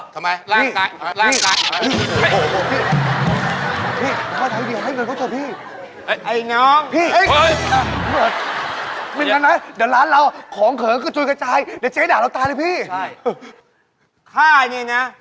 ทำไมลาดตาย